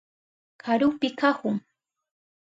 Karupi kahun.